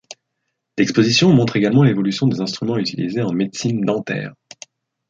L’exposition montre également l’évolution des instruments utilisés en médecine dentaire.